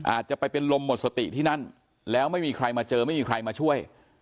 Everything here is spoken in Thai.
อาจจะไปเป็นลมหมดสติที่นั่นแล้วไม่มีใครมาเจอไม่มีใครมาช่วย